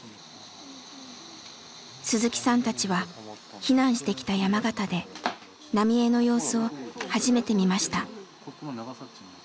鈴木さんたちは避難してきた山形で浪江の様子を初めて見ました。